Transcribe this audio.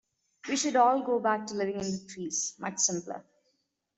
We should all go back to living in the trees, much simpler.